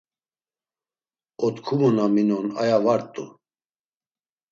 Otkumu na minon aya va rt̆u.